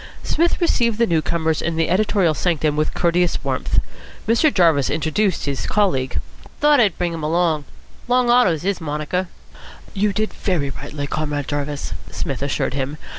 Psmith received the new corners in the editorial sanctum with courteous warmth. Mr. Jarvis introduced his colleague. "Thought I'd bring him along. Long Otto's his monaker." "You did very rightly, Comrade Jarvis," Psmith assured him.